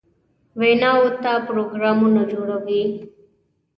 ویناوو ته پروګرامونه جوړوي.